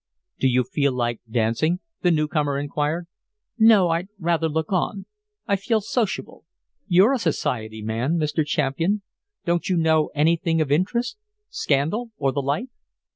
"Do you feel like dancing?" the new comer inquired. "No; I'd rather look on. I feel sociable. You're a society man, Mr. Champian. Don't you know anything of interest? Scandal or the like?"